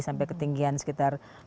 sampai ketinggian sekitar